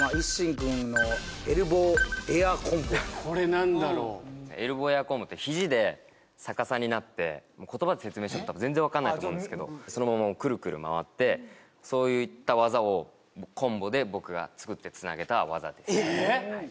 君のエルボーエアーコンボエルボーエアーコンボって肘で逆さになって言葉で説明してもたぶん全然分かんないと思うんですけどそのままくるくる回ってそういった技をコンボで僕が作ってつなげた技ですね